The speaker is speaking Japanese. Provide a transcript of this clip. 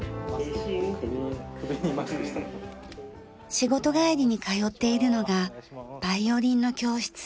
仕事帰りに通っているのがバイオリンの教室。